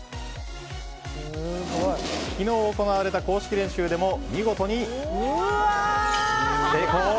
昨日行われた公式練習でも見事に成功。